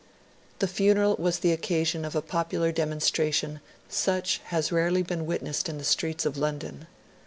The funeral was the occasion of a popular demonstration such as has rarely been witnessed in the streets of London.